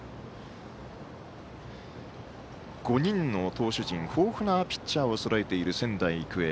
５人の投手陣豊富なピッチャーをそろえている仙台育英。